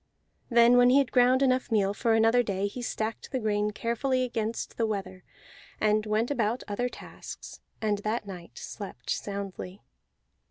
Then when he had ground enough meal for another day he stacked the grain carefully against the weather, and went about other tasks, and that night slept soundly.